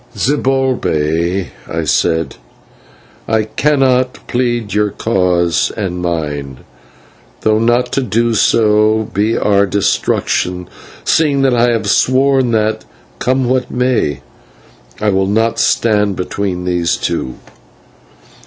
"Zibalbay," I said, "I cannot plead your cause and mine, though not to do so be our destruction, seeing that I have sworn that, come what may, I will not stand between these two.